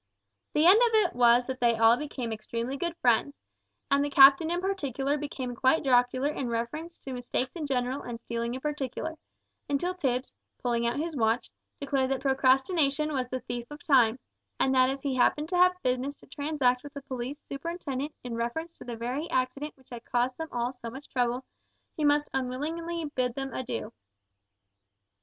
The end of it was that they all became extremely good friends, and the captain in particular became quite jocular in reference to mistakes in general and stealing in particular, until Tipps, pulling out his watch, declared that procrastination was the thief of time, and that as he happened to have business to transact with the police superintendent in reference to the very accident which had caused them all so much trouble, he must unwillingly bid them adieu.